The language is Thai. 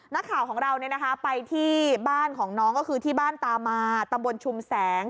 นักข่าวของเราไปที่บ้านของน้องก็คือที่บ้านตามาตำบลชุมแสง